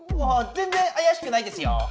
ぜんぜんあやしくないですよ。